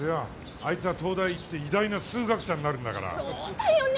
あいつは東大行って偉大な数学者になるんだから・そうだよね